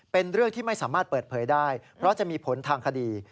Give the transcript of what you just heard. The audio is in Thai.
เป็นเรื่องที่ไม่สามารถเปิดเผยได้เพราะจะมีผลทางคดี